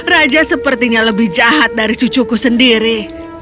raja sepertinya lebih jahat dari cucuku sendiri